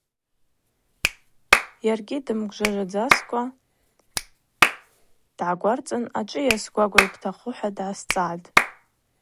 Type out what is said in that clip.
Йаргьи дымгвжважвадзакӏва дгӏагварцӏын: Ачӏвыйа, сгвагва, йбтахъу? - хӏва дгӏасцӏгӏатӏ.